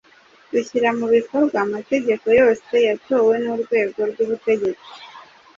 rushyira mu bikorwa amategeko yose yatowe n’Urwego rw’Ubutegetsi